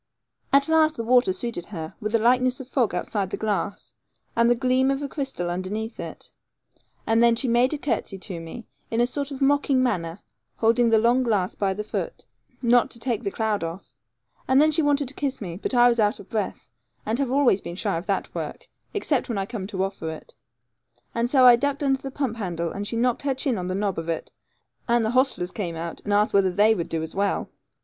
At last the water suited her, with a likeness of fog outside the glass, and the gleam of a crystal under it, and then she made a curtsey to me, in a sort of mocking manner, holding the long glass by the foot, not to take the cloud off; and then she wanted to kiss me; but I was out of breath, and have always been shy of that work, except when I come to offer it; and so I ducked under the pump handle, and she knocked her chin on the knob of it; and the hostlers came out, and asked whether they would do as well.